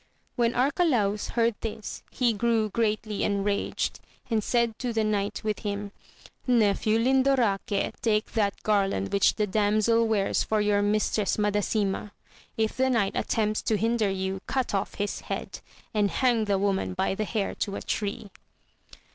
When Arcalaus heard this he grew greatly enraged, and said to the knight with him. Nephew Lindoraque, take that garland which the damsel wears for your Mistress Madasima ; if the knight attempts to hinder you cut off his head, and hang the woman by the hair to a tree.